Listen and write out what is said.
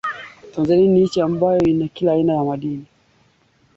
zimeendelea bila ya kutumia katiba zilizoandikwa